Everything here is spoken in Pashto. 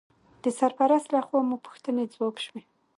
د سرپرست لخوا مو پوښتنې ځواب شوې.